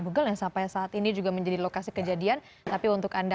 google yang sampai saat ini juga menjadi lokasi kejadian tapi untuk anda